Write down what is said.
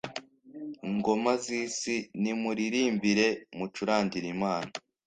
ngoma z'isi, nimuririmbire, mucurangire imana